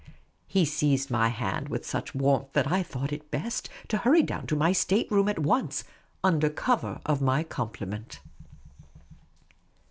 " He seized my hand with such warmth that I thought it best to hurry down to my state room at once, under cover of my compliment.